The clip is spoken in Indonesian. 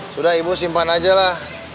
sudah ibu simpan aja lah